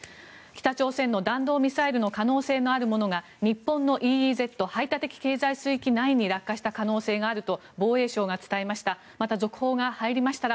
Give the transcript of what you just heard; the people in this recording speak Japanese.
北朝鮮の弾道ミサイルの可能性のあるものが日本のＥＥＺ・排他的経済水域内に落下した可能性があると防衛省が伝えました。